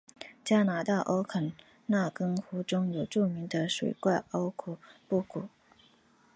加拿大欧肯纳根湖中有著名的水怪奥古布古。